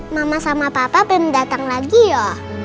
mama sama papa pengen datang lagi ya